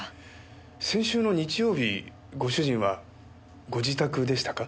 先週の日曜日ご主人はご自宅でしたか？